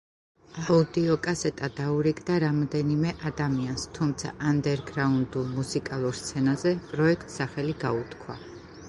აუდიოკასეტა დაურიგდა რამდენიმე ადამიანს, თუმცა ანდერგრაუნდულ მუსიკალურ სცენაზე პროექტს სახელი გაუთქვა.